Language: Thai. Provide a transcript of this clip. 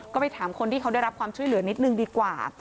ก็ไปถามคนที่เขาได้รับความช่วยเหลือนิดนึงดีกว่า